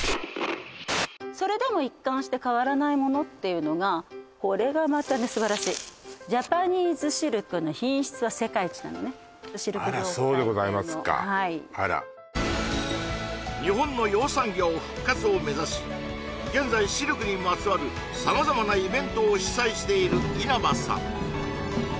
それでも一貫して変わらないものっていうのがこれがまたね素晴らしいあらそうでございますかはい日本の養蚕業復活を目指し現在シルクにまつわる様々なイベントを主催している稲葉さん